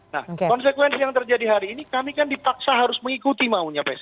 nah konsekuensi yang terjadi hari ini kami kan dipaksa harus mengikuti maunya psi